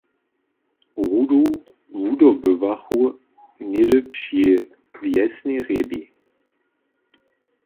Rudu wudobywachu něhdy při wjesnej hrjebi.